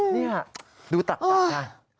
นี่ดูตักตักนะ